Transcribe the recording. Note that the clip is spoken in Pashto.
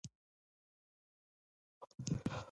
جانداد د مینې نوم دی.